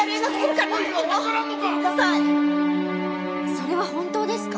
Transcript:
それは本当ですか？